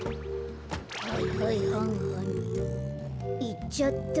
いっちゃった。